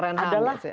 dan pelanggaran ham ya